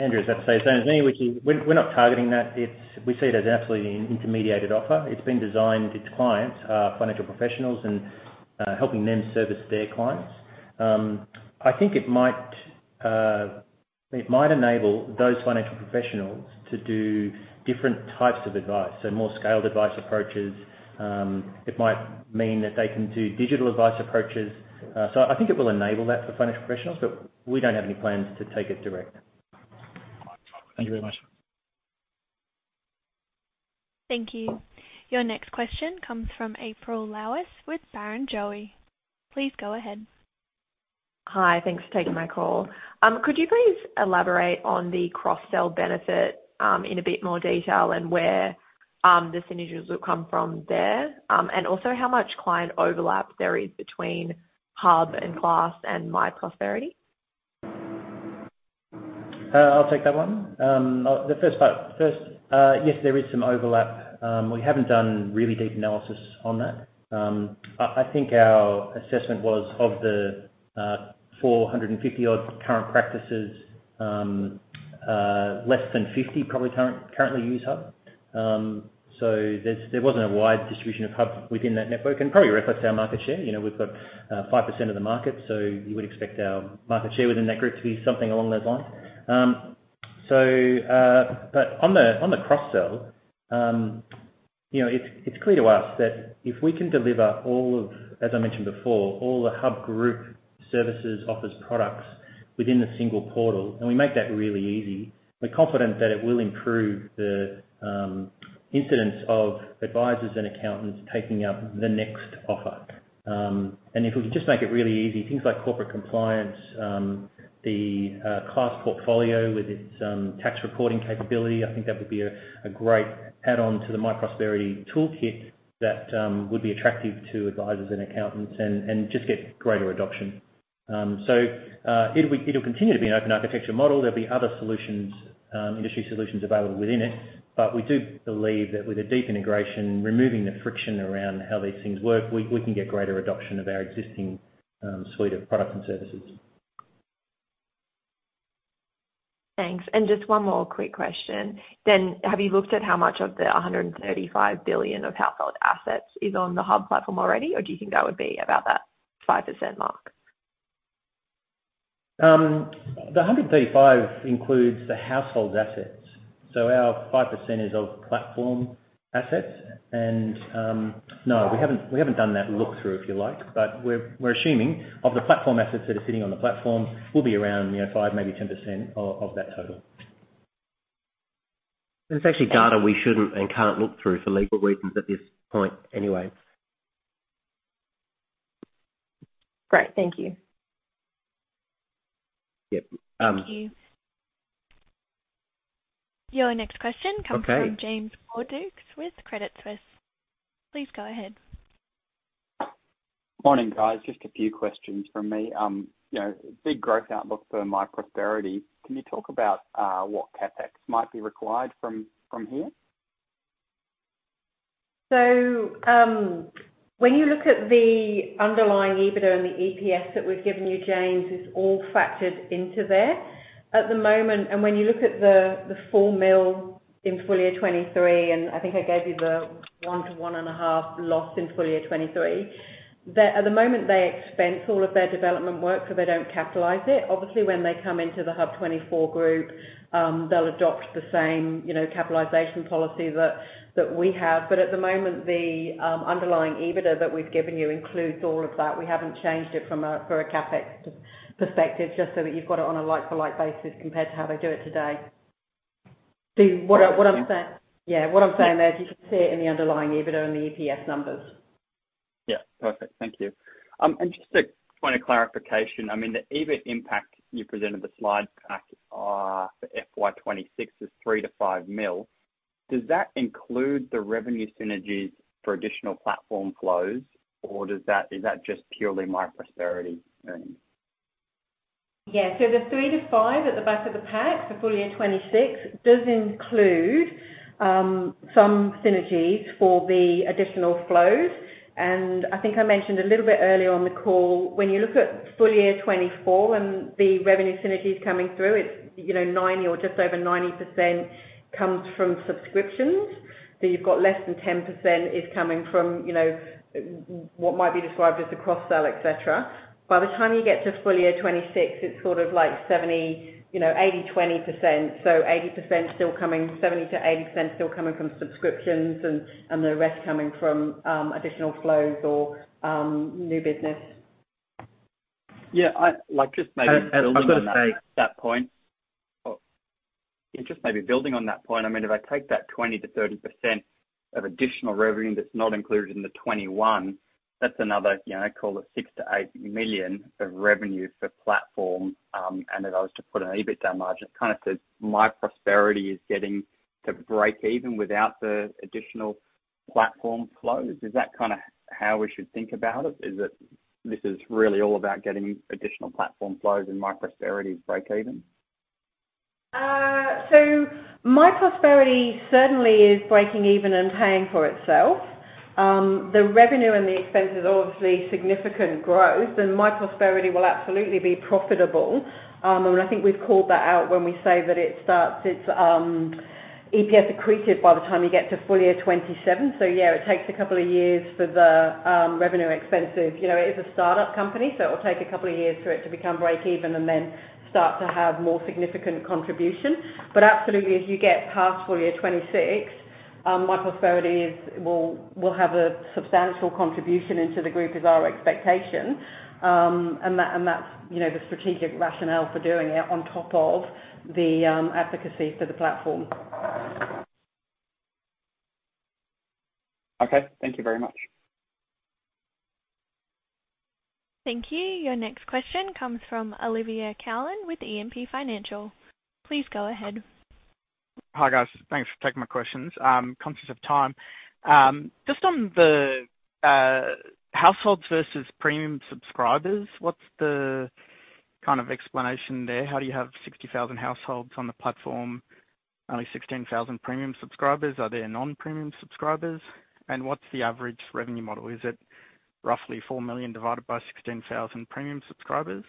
Andrew, as I'd say, same as me, which is we're not targeting that. We see it as absolutely an intermediated offer. It's been designed, its clients are financial professionals and helping them service their clients. I think it might enable those financial professionals to do different types of advice, so more scaled advice approaches. It might mean that they can do digital advice approaches. I think it will enable that for financial professionals, but we don't have any plans to take it direct. Thank you very much. Thank you. Your next question comes from April Lowis with Barrenjoey. Please go ahead. Hi, thanks for taking my call. Could you please elaborate on the cross-sell benefit, in a bit more detail and where, the synergies will come from there? How much client overlap there is between HUB and Class and myprosperity? I'll take that one. Yes, there is some overlap. We haven't done really deep analysis on that. I think our assessment was of the 450 odd current practices, less than 50 probably currently use HUB24. So there wasn't a wide distribution of HUB within that network. Probably reflects our market share. You know, we've got 5% of the market, so you would expect our market share within that group to be something along those lines. On the cross sell, you know, it's clear to us that if we can deliver all of, as I mentioned before, all the HUB Group services, offers, products within the single portal, and we make that really easy, we're confident that it will improve the incidence of advisors and accountants taking up the next offer. If we can just make it really easy, things like corporate compliance, the Class portfolio with its tax reporting capability, I think that would be a great add-on to the myprosperity toolkit that would be attractive to advisors and accountants and just get greater adoption. It'll continue to be an open architecture model. There'll be other solutions, industry solutions available within it. We do believe that with a deep integration, removing the friction around how these things work, we can get greater adoption of our existing suite of products and services. Thanks. Just one more quick question. Have you looked at how much of the 135 billion of household assets is on the HUB platform already, or do you think that would be about that 5% mark? The 135 billion includes the household's assets. Our 5% is of platform assets. No, we haven't done that look through, if you like. We're assuming of the platform assets that are sitting on the platform will be around, you know, 5%, maybe 10% of that total. That's actually data we shouldn't and can't look through for legal reasons at this point anyway. Great. Thank you. Yep. Thank you. Your next question comes from James Cordukes with Credit Suisse. Please go ahead. Morning, guys. Just a few questions from me. you know, big growth outlook for myprosperity. Can you talk about what CapEx might be required from here? When you look at the underlying EBITDA and the EPS that we've given you, James, it's all factored into there. At the moment. When you look at the 4 million in full year 2023, and I think I gave you the 1 million-1.5 million loss in full year 2023, at the moment, they expense all of their development work, so they don't capitalize it. Obviously, when they come into the HUB24 Group, they'll adopt the same, you know, capitalization policy that we have. At the moment, the underlying EBITDA that we've given you includes all of that. We haven't changed it from a CapEx perspective, just so that you've got it on a like-for-like basis compared to how they do it today. What I'm saying there is you should see it in the underlying EBITDA and the EPS numbers. Yeah. Perfect. Thank you. Just a point of clarification, I mean, the EBIT impact you presented the slide pack for FY 2026 is 3 million-5 million. Does that include the revenue synergies for additional platform flows, or is that just purely myprosperity earnings? Yeah. The 3 million-5 million at the back of the pack for full year 2026 does include some synergies for the additional flows. I think I mentioned a little bit earlier on the call, when you look at full year 2024 and the revenue synergies coming through, it's, you know, 90% or just over 90% comes from subscriptions. You've got less than 10% is coming from, you know, what might be described as the cross-sell, et cetera. By the time you get to full year 2026, it's sort of like 70%, you know, 80%/20%. 70%-80% still coming from subscriptions and the rest coming from additional flows or new business. Yeah. Like, just maybe building on that point. Yeah, just maybe building on that point. I mean, if I take that 20%-30% of additional revenue that's not included in 2021, that's another, you know, call it 6 million-8 million of revenue for platform. If I was to put an EBITDA margin, it kind of says myprosperity is getting to breakeven without the additional platform flows. Is that kind of how we should think about it? Is it this is really all about getting additional platform flows and myprosperity's breakeven? myprosperity certainly is breaking even and paying for itself. The revenue and the expenses are obviously significant growth, myprosperity will absolutely be profitable. I think we've called that out when we say that it starts its EPS accreted by the time you get to full year 2027. Yeah, it takes a couple of years for the revenue expenses. You know, it is a start-up company, it'll take a couple of years for it to become breakeven and then start to have more significant contribution. Absolutely, as you get past full year 2026, myprosperity will have a substantial contribution into the group, is our expectation. That, and that's, you know, the strategic rationale for doing it on top of the advocacy for the platform. Okay. Thank you very much. Thank you. Your next question comes from Olivia Callan with E&P Financial. Please go ahead. Hi guys. Thanks for taking my questions. Conscious of time. Just on the households versus premium subscribers, what's the kind of explanation there? How do you have 60,000 households on the platform, only 16,000 premium subscribers? Are there non-premium subscribers? What's the average revenue model? Is it roughly 4 million divided by 16,000 premium subscribers?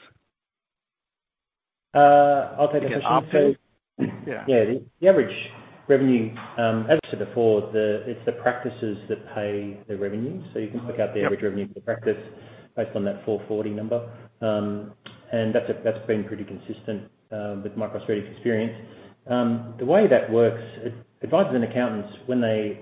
I'll take the question. Yeah. Yeah. The average revenue, as I said before, it's the practices that pay the revenue. You can work out the average- Yeah. revenue per practice based on that 440 number. That's been pretty consistent with myprosperity's experience. The way that works, advisers and accountants, when they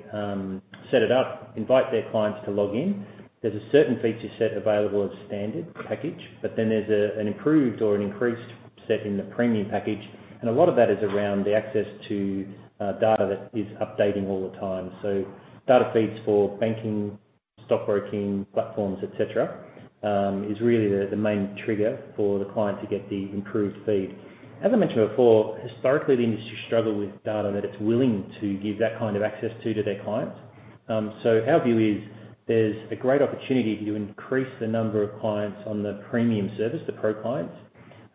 set it up, invite their clients to log in. There's a certain feature set available as standard package, but then there's an improved or an increased set in the premium package. A lot of that is around the access to data that is updating all the time. Data feeds for banking, stockbroking platforms, et cetera, is really the main trigger for the client to get the improved feed. As I mentioned before, historically, the industry struggled with data that it's willing to give that kind of access to their clients. Our view is there's a great opportunity to increase the number of clients on the premium service, the Pro clients,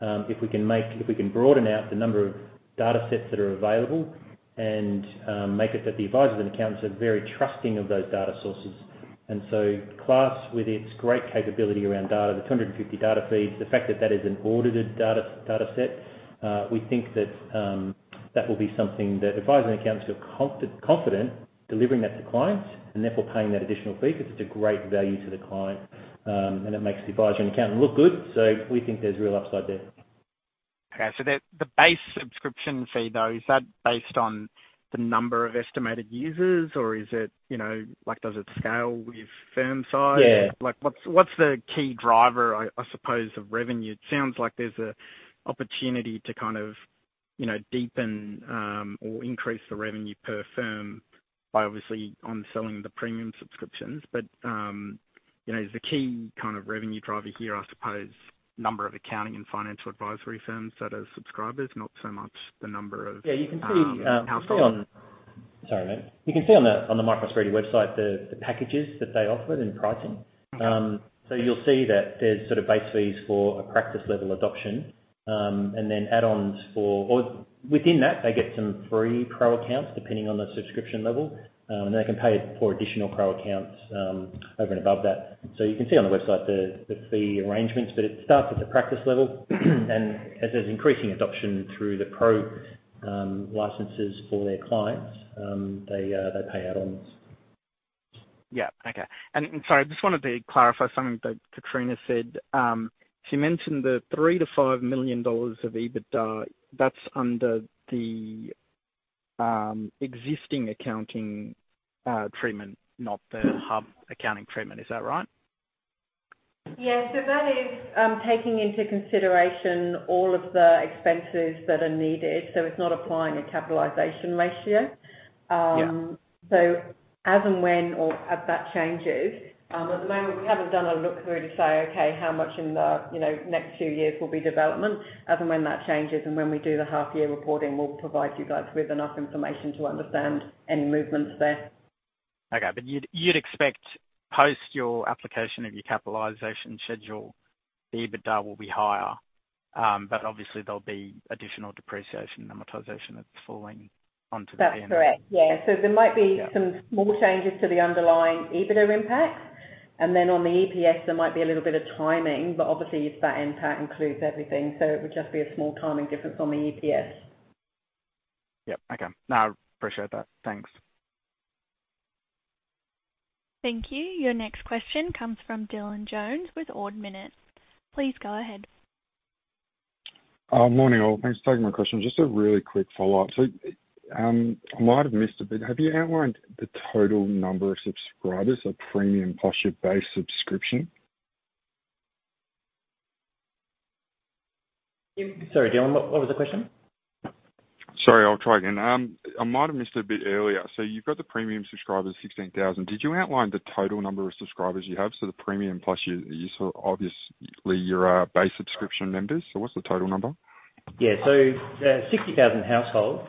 if we can broaden out the number of data sets that are available and make it that the advisers and accountants are very trusting of those data sources. Class, with its great capability around data, the 250 data feeds, the fact that that is an audited data set, we think that will be something that advisers and accountants are confident delivering that to clients and therefore paying that additional fee because it's a great value to the client, and it makes the adviser and accountant look good. We think there's real upside there. The base subscription fee, though, is that based on the number of estimated users or is it, you know, like, does it scale with firm size? Yeah. Like, what's the key driver, I suppose, of revenue? It sounds like there's a opportunity to kind of, you know, deepen, or increase the revenue per firm by obviously on selling the premium subscriptions. You know, is the key kind of revenue driver here, I suppose, number of accounting and financial advisory firms that have subscribers, not so much the number of. Yeah, you can see. -households. Sorry, mate. You can see on the myprosperity website the packages that they offer and pricing. Okay. You'll see that there's sort of base fees for a practice level adoption, Or within that, they get some free Pro accounts, depending on the subscription level. They can pay for additional Pro accounts, over and above that. You can see on the website the fee arrangements, but it starts at the practice level. As there's increasing adoption through the Pro, licenses for their clients, they pay add-ons. Yeah. Okay. Sorry, I just wanted to clarify something that Kitrina said. She mentioned the 3 million-5 million dollars of EBITDA. That's under the existing accounting treatment, not the HUB accounting treatment. Is that right? Yeah. That is, taking into consideration all of the expenses that are needed, so it's not applying a capitalization ratio. Yeah. As and when or as that changes, at the moment, we haven't done a look through to say, Okay, how much in the, you know, next two years will be development? As and when that changes and when we do the half-year reporting, we'll provide you guys with enough information to understand any movements there. Okay. You'd expect post your application of your capitalization schedule, the EBITDA will be higher. Obviously, there'll be additional depreciation and amortization that's falling onto the P&L. That's correct. Yeah. Yeah. Some small changes to the underlying EBITDA impact. On the EPS, there might be a little bit of timing, but obviously that impact includes everything, so it would just be a small timing difference on the EPS. Yep. Okay. No, I appreciate that. Thanks. Thank you. Your next question comes from Dylan Jones with Ord Minnett. Please go ahead. Morning, all. Thanks for taking my question. Just a really quick follow-up. I might have missed a bit. Have you outlined the total number of subscribers of premium plus your base subscription? Sorry, Dylan, what was the question? Sorry, I'll try again. I might have missed a bit earlier. You've got the premium subscribers, 16,000. Did you outline the total number of subscribers you have, so the premium plus your sort of obviously your base subscription members? What's the total number? Yeah. 60,000 households.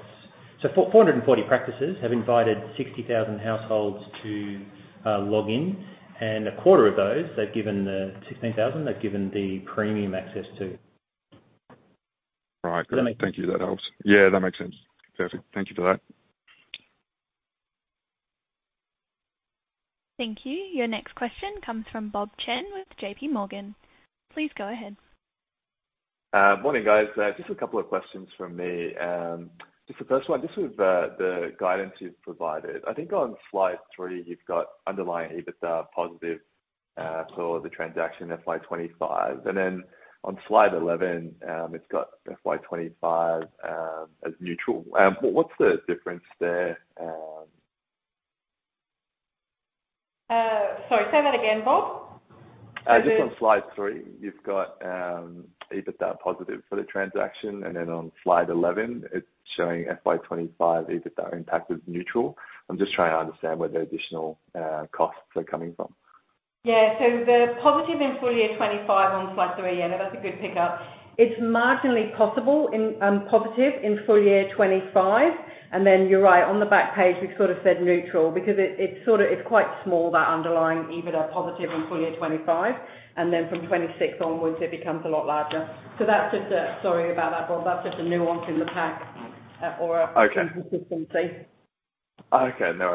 440 practices have invited 60,000 households to log in. A quarter of those, they’ve given the 16,000, they’ve given the premium access to. Right. Great. Does that? Thank you. That helps. Yeah, that makes sense. Perfect. Thank you for that. Thank you. Your next question comes from Bob Chen with JP Morgan. Please go ahead. Morning, guys. Just a couple of questions from me. Just the first one, just with the guidance you've provided. I think on slide three, you've got underlying EBITDA positive for the transaction FY 2025. On slide 11, it's got FY 2025 as neutral. What's the difference there? Sorry, say that again, Bob? Just on slide three, you've got EBITDA positive for the transaction, and then on slide 11, it's showing FY 2025 EBITDA impact as neutral. I'm just trying to understand where the additional costs are coming from. The positive in full year 2025 on slide three, yeah, no, that's a good pickup. It's marginally possible in positive in full year 2025. You're right, on the back page, we've sort of said neutral because it's quite small, that underlying EBITDA positive in full year 2025. From 2026 onwards, it becomes a lot larger. Sorry about that, Bob. That's just a nuance in the pack. Okay. -consistency. Okay, no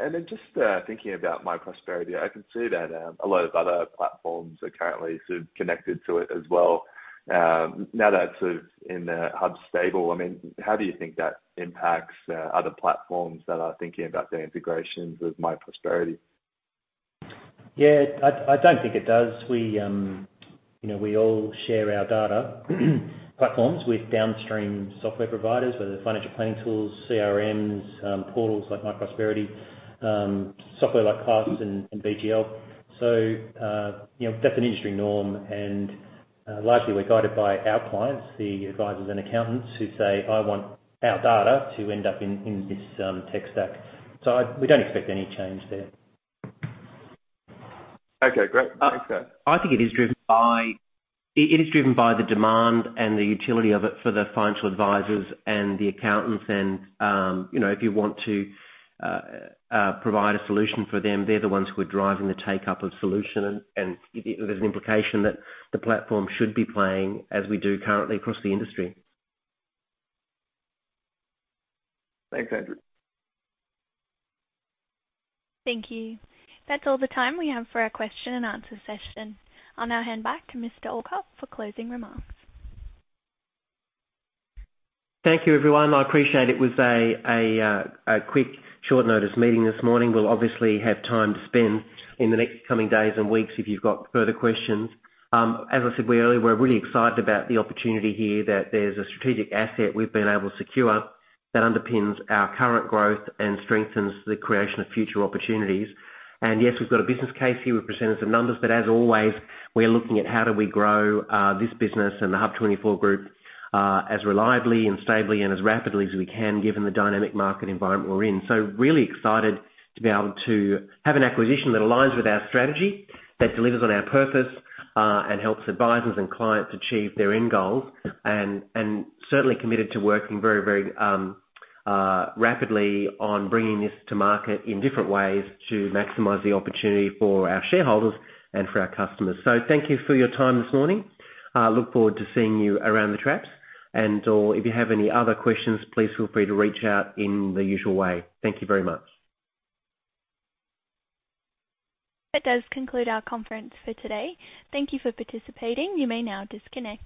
worries. Just thinking about myprosperity, I can see that a lot of other platforms are currently sort of connected to it as well. Now that's, sort of, in the HUB's stable, I mean, how do you think that impacts other platforms that are thinking about their integrations with myprosperity? Yeah. I don't think it does. We, you know, we all share our data platforms with downstream software providers, whether they're financial planning tools, CRMs, portals like myprosperity, software like Class and BGL. You know, that's an industry norm, and largely we're guided by our clients, the advisors and accountants who say, I want our data to end up in this tech stack. We don't expect any change there. Okay, great. Thanks, guys. It is driven by the demand and the utility of it for the financial advisors and the accountants. You know, if you want to provide a solution for them, they're the ones who are driving the take-up of solution and there's an implication that the platform should be playing as we do currently across the industry. Thanks, Andrew. Thank you. That's all the time we have for our question and answer session. I'll now hand back to Mr. Alcock for closing remarks. Thank you, everyone. I appreciate it was a quick short notice meeting this morning. We'll obviously have time to spend in the next coming days and weeks if you've got further questions. As I said earlier, we're really excited about the opportunity here that there's a strategic asset we've been able to secure that underpins our current growth and strengthens the creation of future opportunities. Yes, we've got a business case here. We've presented some numbers, but as always, we are looking at how do we grow this business and the HUB24 Group as reliably and stably and as rapidly as we can, given the dynamic market environment we're in. Really excited to be able to have an acquisition that aligns with our strategy, that delivers on our purpose, and helps advisors and clients achieve their end goals. Certainly committed to working very rapidly on bringing this to market in different ways to maximize the opportunity for our shareholders and for our customers. Thank you for your time this morning. Look forward to seeing you around the traps and or if you have any other questions, please feel free to reach out in the usual way. Thank you very much. That does conclude our conference for today. Thank Thank you for participating. You may now disconnect.